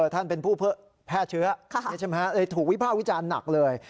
ท่านเป็นผู้เพิ่มแพร่เชื้อใช่ไหมคะถูกวิพาณฟิวจารย์หนักเลย